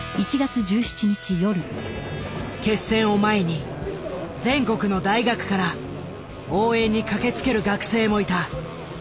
決戦を前に全国の大学から応援に駆けつける学生もいた。